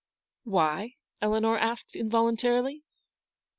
1 '" Why ?" Eleanor asked involuntarily.